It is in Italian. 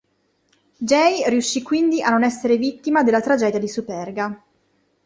Gei riuscì quindi a non essere vittima della tragedia di Superga.